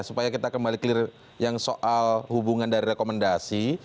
supaya kita kembali clear yang soal hubungan dari rekomendasi